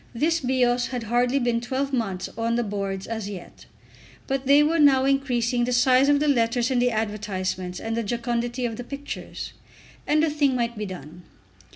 This Bios had hardly been twelve months on the boards as yet! But they were now increasing the size of the letters in the advertisements and the jocundity of the pictures, and the thing might be done.